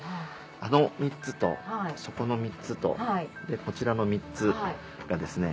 あの３つとそこの３つとこちらの３つがですね